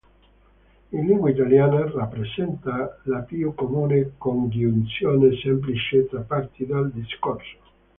In lingua italiana rappresenta la più comune congiunzione semplice tra parti del discorso.